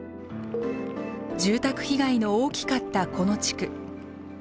住宅被害の大きかったこの地区。